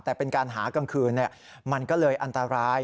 แต่เป็นการหากลางคืนมันก็เลยอันตราย